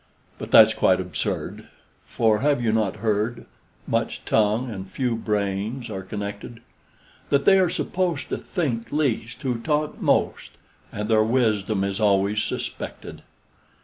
But that's quite absurd; for have you not heard, Much tongue and few brains are connected, That they are supposed to think least who talk most, And their wisdom is always suspected?